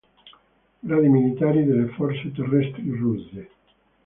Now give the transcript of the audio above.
Gradi militari delle forze terrestri russe